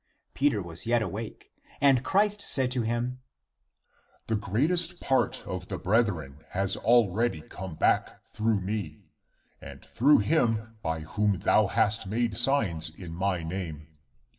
Peter was yet awake, and (Christ) said to him, "the greatest part of the brethren has already come back through me, and through him by whom thou hast made signs in my name.